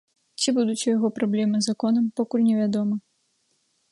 Ці будуць у яго праблемы з законам, пакуль невядома.